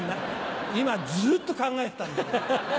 今ずっと考えてたんだ。